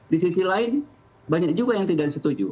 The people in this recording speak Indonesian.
di sisi lain banyak juga yang tidak setuju